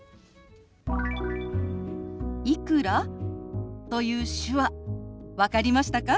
「いくら？」という手話分かりましたか？